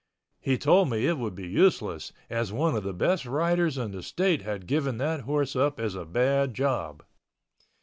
He told me it would be useless, as one of the best riders in the state had given that horse up as a bad job.